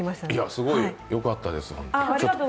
すごいよかったです。